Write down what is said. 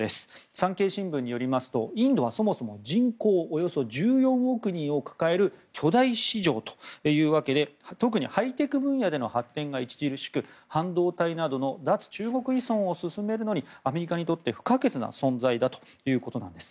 産経新聞によりますとインドはそもそも人口およそ１４億人を抱える巨大市場ということで特にハイテク分野での発展が著しく半導体などの脱中国依存を進めるのにアメリカにとって不可欠な存在だということなんです。